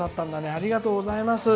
ありがとうございます。